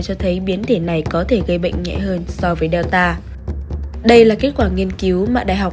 cho thấy biến thể này có thể gây bệnh nhẹ hơn so với delta đây là kết quả nghiên cứu mà đại học